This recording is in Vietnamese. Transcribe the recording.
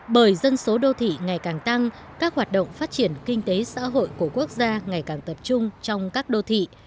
bởi dân số đô thị ngày càng tăng các hoạt động phát triển kinh tế xã hội của quốc gia ngày càng tập trung trong các đô thị